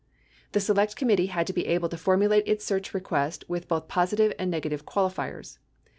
The Select Committee had to be able to formulate its search request with both positive and negative qualifiers.